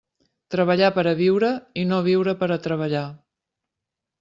Treballar per a viure i no viure per a treballar.